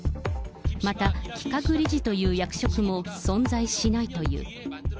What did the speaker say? また企画理事という役職も存在しないという。